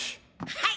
はい！